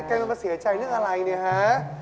การกำลังมาเสียใจว่าอะไรนี่หา